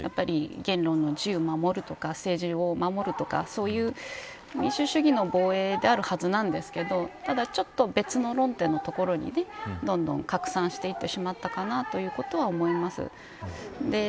言論の自由を守るとか政治を守るとかそういう民主主義の防衛であるはずなんですけどただちょっと別の論点のところにどんどん拡散していってしまったかなということは思います。